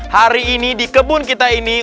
hari ini di kebun kita ini